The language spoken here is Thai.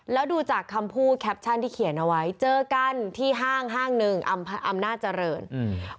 แล้วดูจากคำพูดแคปชั่นที่เขียนเอาไว้เจอกันที่ห้างห้างหนึ่งอำนาจเจริญอืม